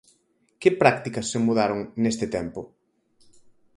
Que prácticas se mudaron neste tempo?